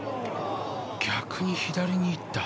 逆に左に行った。